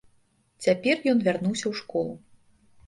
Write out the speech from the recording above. Цяпер ён вярнуўся ў школу.